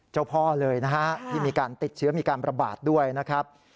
เจ้าพ่อเลยนะฮะที่มีการติดเชื้อมีการประบาดด้วยนะครับ